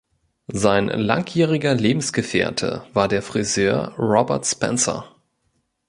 Sein langjähriger Lebensgefährte war der Friseur Robert Spencer.